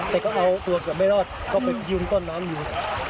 แต่ก็เอาตัวเกือบไม่รอดก็ไปยืนต้นน้ำอยู่